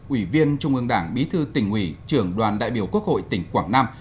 ủy viên trung ương đảng bí thư tỉnh ủy trưởng đoàn đại biểu quốc hội tỉnh quảng nam